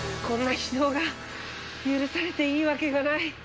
こんな非道が許されていいわけがない。